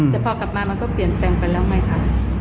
แต่พอกลับมามันก็เปลี่ยนแปลงไปแล้วไงคะ